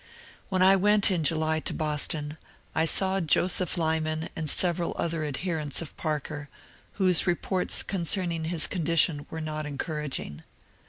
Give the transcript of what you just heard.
When I went in July to Boston, I saw Joseph Lyman and several other adher ents of Parker, whose reports concerning his condition were not encouraging.